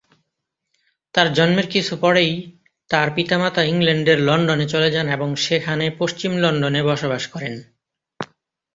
তার জন্মের কিছু পরেই তার পিতামাতা ইংল্যান্ডের লন্ডনে চলে যান এবং সেখানে পশ্চিম লন্ডনে বসবাস করেন।